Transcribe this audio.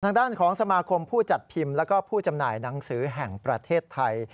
ทางด้านของสมาคมผู้จัดพิมพ์แล้วก็ผู้จำหน่ายหนังสือแห่งประเทศไทย